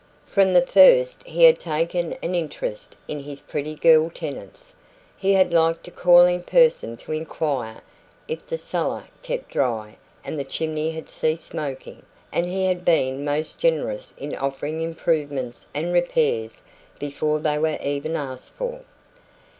From the first he had taken an interest in his pretty girl tenants. He had liked to call in person to inquire if the cellar kept dry and the chimney had ceased smoking; and he had been most generous in offering improvements and repairs before they were even asked for.